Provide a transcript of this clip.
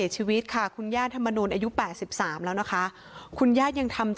จุบัง